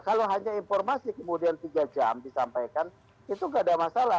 kalau hanya informasi kemudian tiga jam disampaikan itu tidak ada masalah